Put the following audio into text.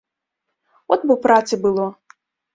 От бо працы было!